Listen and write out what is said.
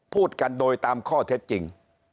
พูดกันโดยตามข้อเท็จจริง